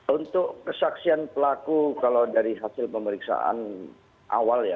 untuk kesaksian pelaku kalau dari hasil pemeriksaan awal ya